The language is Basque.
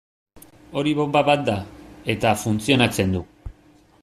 Hori bonba bat da, eta funtzionatzen du.